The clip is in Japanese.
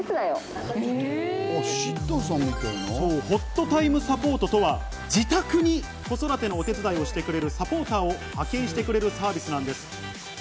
ほっとタイムサポートとは自宅に子育ての手伝いをしてくれるサポーターを派遣してくれるサービスなんです。